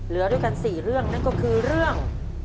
เหลือด้วยกัน๔เรื่องนั่นก็คือเรื่อง